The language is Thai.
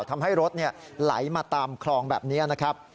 ทำให้รถไหลมาตามคลองแบบนี้นะครับ